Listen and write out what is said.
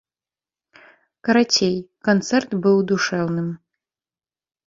Карацей, канцэрт быў душэўным.